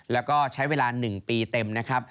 แล้วก็ใช้เวลา๑ปีเต็มนะครับ